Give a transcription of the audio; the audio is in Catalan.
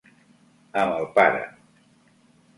Amb el pare.